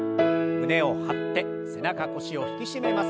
胸を張って背中腰を引き締めます。